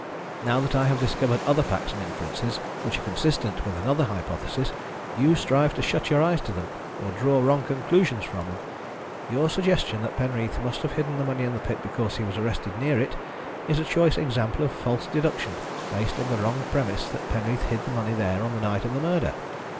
Now that I have discovered other facts and inferences which are consistent with another hypothesis, you strive to shut your eyes to them, or draw wrong conclusions from them. Your suggestion that Penreath must have hidden the money in the pit because he was arrested near it is a choice example of false deduction based on the wrong premise that Penreath hid the money there on the night of the murder.